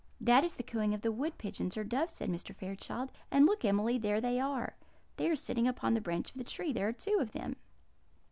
"That is the cooing of wood pigeons or doves," said Mr. Fairchild. "And look, Emily, there they are! They are sitting upon the branch of a tree; there are two of them."